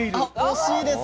惜しいです。